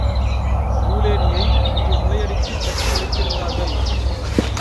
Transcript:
நூலேணியை அங்கு முளையடித்துக் கட்டி வைத்திருந்தார்கள்.